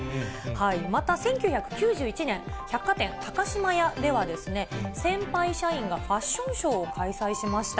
また１９９１年、百貨店、高島屋では先輩社員がファッションショーを開催しました。